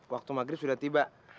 waktu maghrib sudah tiba